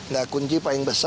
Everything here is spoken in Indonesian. nah kunci paling besar